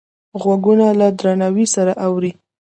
غوږونه له درناوي سره اوري